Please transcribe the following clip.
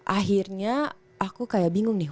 akhirnya aku kayak bingung nih